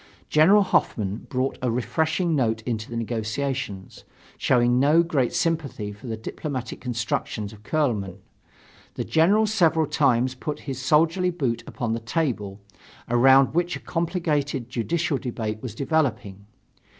General Hoffmann brought a refreshing note into the negotiations. Showing no great sympathy for the diplomatic constructions of Kuehlmann, the General several times put his soldierly boot upon the table, around which a complicated judicial debate was developing.